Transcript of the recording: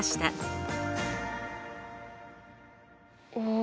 お。